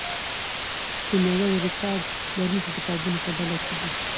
کیمیاګر د ریکارډ لرونکو کتابونو په ډله کې دی.